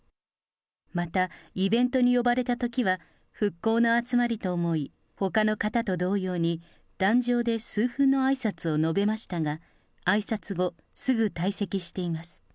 また、イベントに呼ばれたときは復興の集まりと思い、ほかの方と同様に、壇上で数分のあいさつを述べましたが、あいさつ後、すぐ退席しています。